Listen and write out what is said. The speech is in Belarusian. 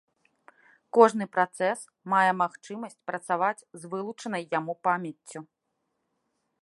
Кожны працэс мае магчымасць працаваць з вылучанай яму памяццю.